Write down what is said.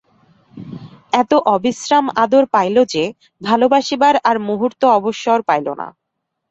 এত অবিশ্রাম আদর পাইল যে, ভালোবাসিবার আর মুহূর্ত অবসর রহিল না।